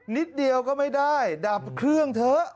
นิดเดียวก็ไม่ได้ดับเครื่องเถอะ